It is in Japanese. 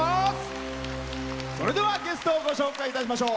それではゲストをご紹介いたしましょう。